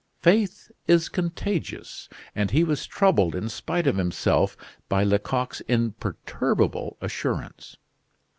Faith is contagious, and he was troubled in spite of himself by Lecoq's imperturbable assurance.